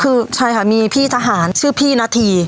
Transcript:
คือใช่ค่ะมีพี่ทหารชื่อพี่นาธี